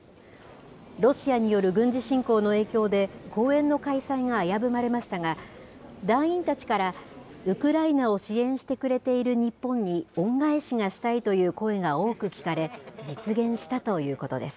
ロシアによる軍事侵攻の影響で、公演の開催が危ぶまれましたが、団員たちから、ウクライナを支援してくれている日本に恩返しがしたいという声が多く聞かれ、実現したということです。